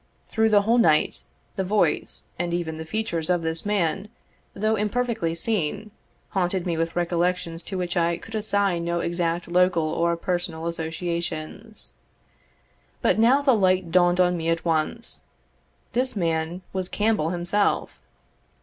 Through the whole night, the voice, and even the features of this man, though imperfectly seen, haunted me with recollections to which I could assign no exact local or personal associations. But now the light dawned on me at once; this man was Campbell himself.